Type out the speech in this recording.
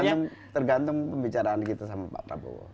karena tergantung pembicaraan kita sama pak prabowo